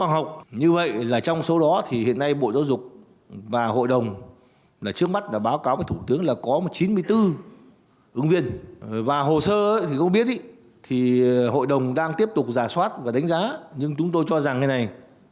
hội đồng đang tiếp tục ra soát và đánh giá nhưng chúng tôi cho rằng như này